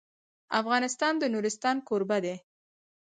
افغانستان د نورستان کوربه دی.